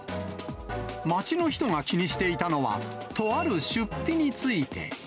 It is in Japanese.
街の人が気にしていたのは、とある出費について。